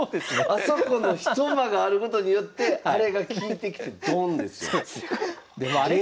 あそこのひと間があることによってアレが効いてきてドーンですよ。